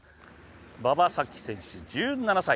馬場咲希選手１７歳。